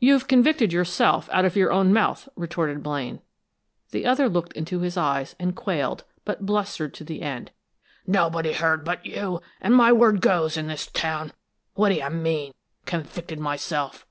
"You've convicted yourself, out of your own mouth," retorted Blaine. The other looked into his eyes and quailed, but blustered to the end. "Nobody heard, but you, and my word goes, in this town! What d'you mean convicted myself?"